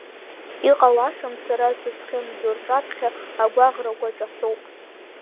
Иҟалашам сара сызхьымӡо, рҿаԥхьа агәаҟрақәа ҿаҳәоуп.